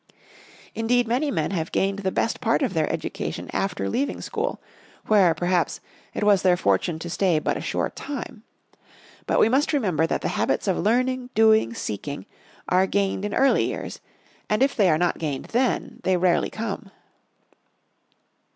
Indeed, many men have gained the best part of their education after leaving school, where, perhaps, it was their fortune to stay but a short time. But we must remember that the habits of learning, doing, seeking, are gained in early years, and if they are not gained then they rarely come.